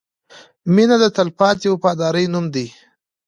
• مینه د تلپاتې وفادارۍ نوم دی.